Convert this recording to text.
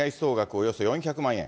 およそ４００万円。